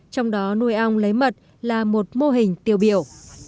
trong đó nuôi ong lấy mật là một mô hình tiêu biểu